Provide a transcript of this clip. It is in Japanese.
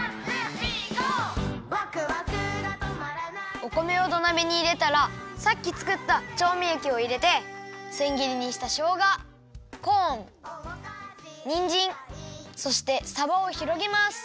お米を土鍋にいれたらさっきつくったちょうみえきをいれてせん切りにしたしょうがコーンにんじんそしてさばをひろげます。